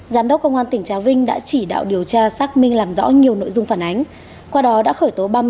giám đốc công an tỉnh trà vinh đã chỉ đạo điều tra xác minh làm rõ nhiều nội dung phản ánh